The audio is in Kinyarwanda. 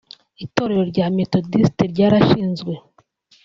Itorero rya Methodiste ryarashinzwe